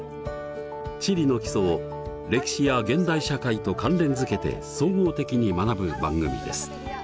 地理の基礎を歴史や現代社会と関連づけて総合的に学ぶ番組です。